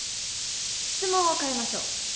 質問を変えましょう。